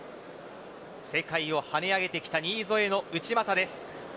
世界を跳ね上げてきた新添の内股です。